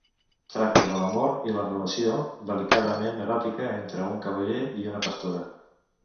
Tracta de l’amor i la relació delicadament eròtica entre un cavaller i una pastora.